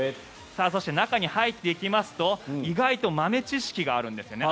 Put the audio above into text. そして中に入っていきますと意外と豆知識があるんですよね。